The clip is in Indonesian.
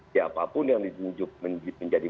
siapapun yang ditunjuk menjadi